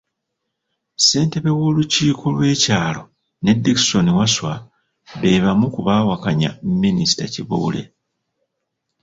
Ssentebe w'olukiiko lw'ekyalo ne Dickson Wasswa be bamu ku baawakanya Minisita Kibuule.